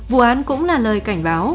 vụ án cũng là lời cảnh báo